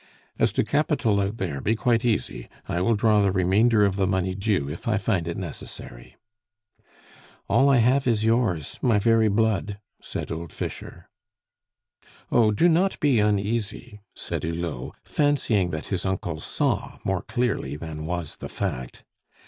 "As to capital out there, be quite easy. I will draw the remainder of the money due if I find it necessary." "All I have is yours my very blood," said old Fischer. "Oh, do not be uneasy," said Hulot, fancying that his uncle saw more clearly than was the fact.